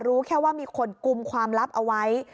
รู้แค่ว่ามีคนกุมความลับเอาไว้